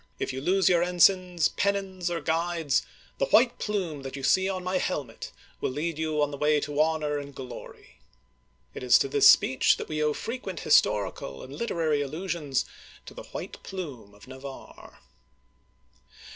If you lose your ensigns, pen nons, or guides, the white plume that you see on my hel met will lead you on the way to honor and glory !" It is to this speech that we owe frequent historical and literary allusions to "the white plume of Navarre."